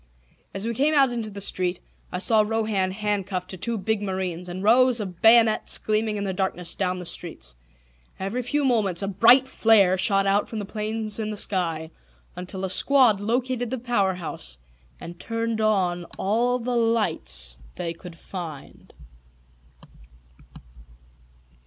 As we came out into the street. I saw Rohan handcuffed to two big marines, and rows of bayonets gleaming in the darkness down the streets. Every few moments a bright flare shot out from the planes in the sky, until a squad located the power house and turned on all the lights they could find.